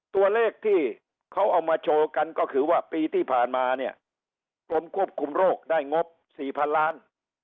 ตัวเลขที่เขาเอามาโชว์กันก็คือว่าปีที่ผ่านมาเนี่ยกรมควบคุมโรคได้งบ๔๐๐๐ล้าน